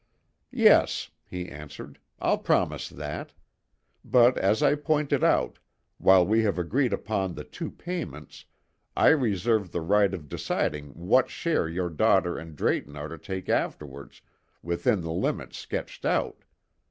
"Yes," he answered; "I'll promise that. But, as I pointed out, while we have agreed upon the two payments, I reserve the right of deciding what share your daughter and Drayton are to take afterwards within the limits sketched out.